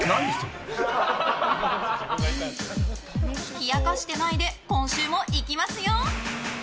冷やかしてないで今週も行きますよ！